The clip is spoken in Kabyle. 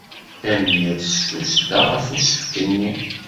Tanemmirt s tussda ɣef usefk-nni.